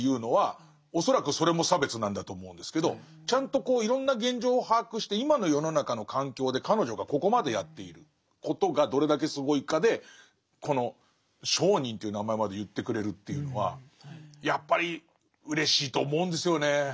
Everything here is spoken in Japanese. ちゃんとこういろんな現状を把握して今の世の中の環境で彼女がここまでやっていることがどれだけすごいかでこの聖人という名前まで言ってくれるっていうのはやっぱりうれしいと思うんですよね。